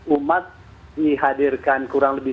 umat dihadirkan kurang lebih